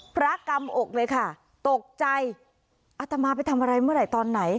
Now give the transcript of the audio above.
กำอกเลยค่ะตกใจอัตมาไปทำอะไรเมื่อไหร่ตอนไหน